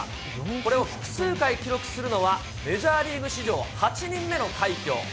これを複数回記録するのは、メジャーリーグ史上８人目の快挙。